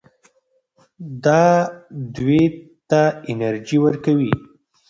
دا دوی ته انرژي ورکوي.